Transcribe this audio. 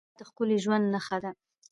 • خندا د ښکلي ژوند نښه ده.